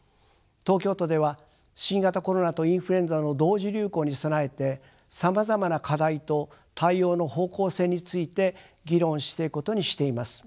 東京都では新型コロナとインフルエンザの同時流行に備えてさまざまな課題と対応の方向性について議論していくことにしています。